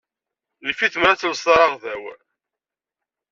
Yif-it mer ad telseḍ araɣdaw.